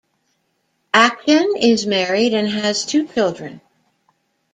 Acton is married and has two children.